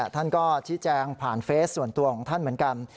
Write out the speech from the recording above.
ท่านก็ชี้แจงผ่านเฟสส่วนตัวของท่านเหมือนกัน